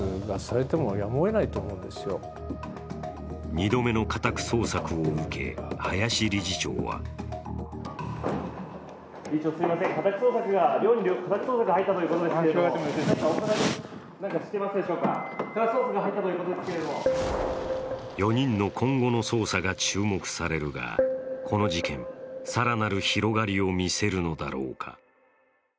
２度目の家宅捜索を受け林理事長は４人の今後の捜査が注目されるがこの事件更なる広がりを見せるのだろうか。